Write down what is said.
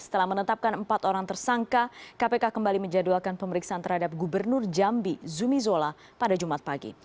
setelah menetapkan empat orang tersangka kpk kembali menjadwalkan pemeriksaan terhadap gubernur jambi zumi zola pada jumat pagi